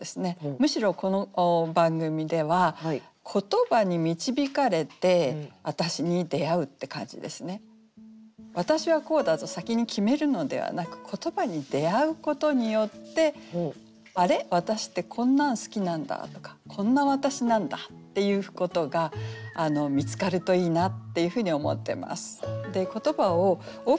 むしろこの番組では「私はこうだぞ」先に決めるのではなく言葉に出会うことによって「あれ？私ってこんなん好きなんだ」とか「こんな私なんだ」っていうことが見つかるといいなっていうふうに思ってます。